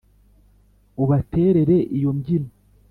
Ubaterere iyo mbyino